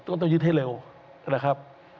ต้องยึดให้เร็วนะครับ